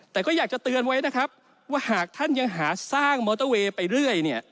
แต่ก็อยากจะเตือนไว้นะครับว่าหากท่านยังหาสร้างมอเตอร์เวย์ไปเรื่อยเนี่ย